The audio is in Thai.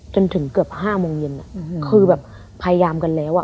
จนถึงเกือบ๕โมงเย็นคือแบบพยายามกันแล้วอ่ะ